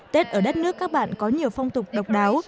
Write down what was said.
tết ở đất nước các bạn có nhiều phong tục độc đáo